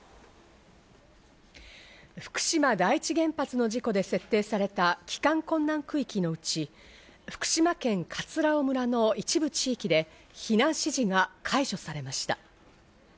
福島第一原発の事故で設定された帰還困難区域のうち、福島県葛尾村の一部地域で、避難指示が解除されました。